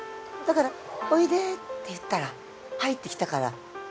だから「おいで」って言ったら入ってきたから